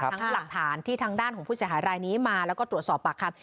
หลักฐานที่ทางด้านของผู้เสียหายรายนี้มาแล้วก็ตรวจสอบปากคำ